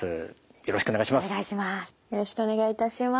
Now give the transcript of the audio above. よろしくお願いします。